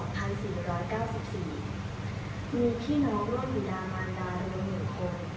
พศ๒๔๙๔มีพี่น้องร่วมวิดามารดารวมหนึ่งคน